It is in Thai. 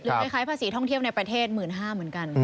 คล้ายภาษีท่องเที่ยวในประเทศ๑๕๐๐เหมือนกัน